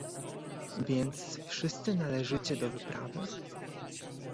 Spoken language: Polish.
"więc wszyscy należycie do wyprawy?"